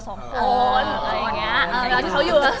อย่างเงี้ย